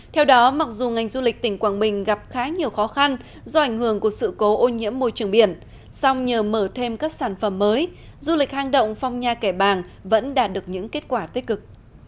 theo đó mặc dù ngành du lịch tỉnh quảng bình gặp khá nhiều khó khăn do ảnh hưởng của sự cố ô nhiễm môi trường biển song nhờ mở thêm các sản phẩm mới du lịch hang động phong nha kẻ bàng vẫn đạt được những kết quả tích cực